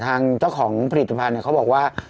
ทางเจ้าของผลิตภัณฑ์เขาบอกว่า